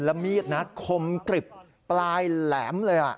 แล้วมีดนะคมกริบปลายแหลมเลย